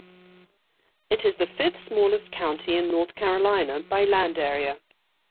It is the fifth-smallest county in North Carolina by land area.